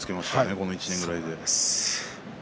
この１年ぐらいで。